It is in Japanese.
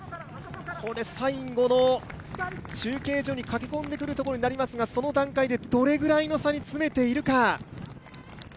これ最後の中継所に駆け込んでくるところになりますがその段階でどれぐらいの差に詰めているか。